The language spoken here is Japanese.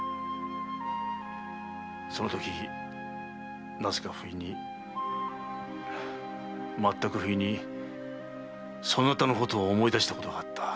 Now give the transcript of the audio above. そのときなぜか不意にまったく不意にそなたのことを思い出したことがあった。